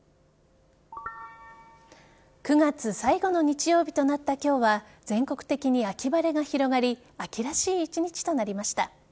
９月最後の日曜日となった今日は全国的に秋晴れが広がり秋らしい一日となりました。